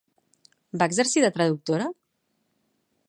Va exercir de traductora?